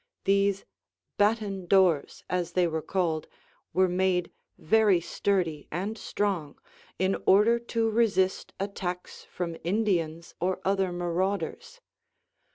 These batten doors, as they were called, were made very sturdy and strong, in order to resist attacks from Indians or other marauders.